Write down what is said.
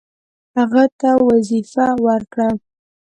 هغه ته وظیفه ورکړه.